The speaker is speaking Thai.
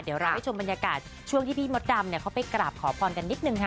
เดี๋ยวเราให้ชมบรรยากาศช่วงที่พี่มดดำเขาไปกราบขอพรกันนิดนึงค่ะ